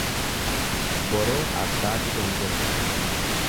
Boroo abbaatu dongorata.